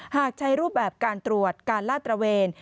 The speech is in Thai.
หากใช้รูปแบบการตรวจการลาดตระเวน